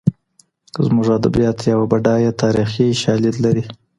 زموږ ادبیات یو بډایه تاریخي شالید لري.